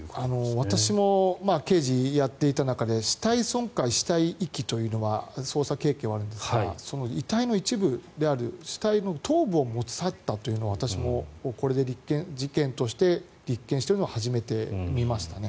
私も刑事をやっていた中で死体損壊、死体遺棄というのは捜査経験はあるんですが遺体の一部である死体の頭部を持ち去ったというのは私もこれで事件として立件しているのは初めて見ましたね。